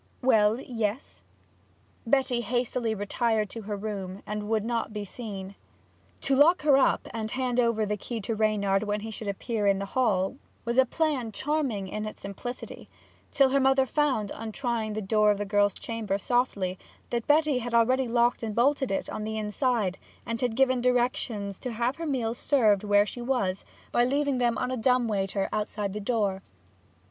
'Well, yes.' Betty hastily retired to her room, and would not be seen. To lock her up, and hand over the key to Reynard when he should appear in the hall, was a plan charming in its simplicity, till her mother found, on trying the door of the girl's chamber softly, that Betty had already locked and bolted it on the inside, and had given directions to have her meals served where she was, by leaving them on a dumb waiter outside the door.